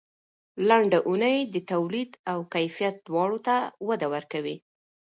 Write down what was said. لنډه اونۍ د تولید او کیفیت دواړو ته وده ورکوي.